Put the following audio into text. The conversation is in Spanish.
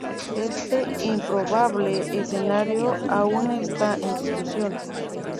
Este improbable escenario aún está en discusión.